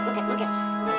kita pegang dulu ya